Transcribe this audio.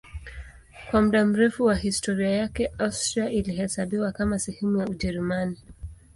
Kwa muda mrefu wa historia yake Austria ilihesabiwa kama sehemu ya Ujerumani.